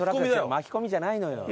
巻き込みじゃないのよ。